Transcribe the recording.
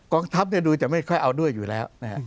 องทัพดูจะไม่ค่อยเอาด้วยอยู่แล้ว